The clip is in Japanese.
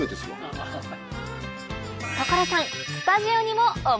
所さん